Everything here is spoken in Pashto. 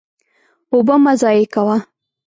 اوبه مه ضایع کوه.